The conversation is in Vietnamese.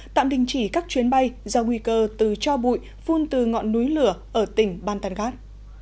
tạm đình chỉ các chuyến bay do nguy cơ từ cho bụi phun từ ngọn núi lửa ở tỉnh bantangad